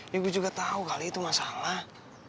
ya gue juga tau kali itu masalah